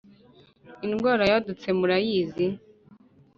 indwara yadutse murayizi